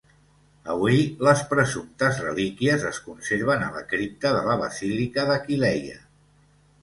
Avui, les presumptes relíquies es conserven a la cripta de la basílica d'Aquileia.